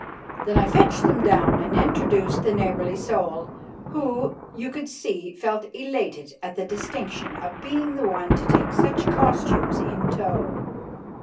Then I fetched them down and introduced the neighbourly soul, who, you could see, felt elated at the distinction of being the one to take such costumes in tow.